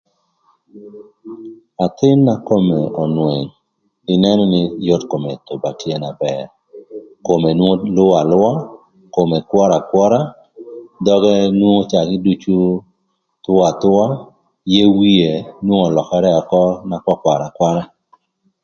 Athïn na kome önwëng ïnënö nï yot kome thon ba tye na bër, kome nwongo lüü alüa, kome kwör akwöra, dhögë nwongo caa kï ducu thwö athwöa, yee wie nwongo ölökërë ökö na kwakwar akwara.